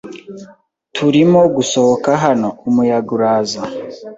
Turimo gusohoka hano. Umuyaga uraza.